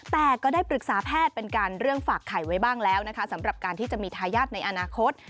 แต่ก็ได้ปรึกษาแพทย์เป็นการเรื่องฝากไข่ไว้บ้างแล้วนะคะสำหรับการที่จะมีทายาทในอนาคต